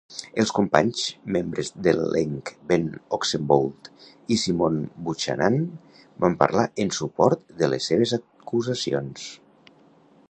Els companys membres de l'elenc Ben Oxenbould i Simone Buchanan van parlar en suport de les seves acusacions.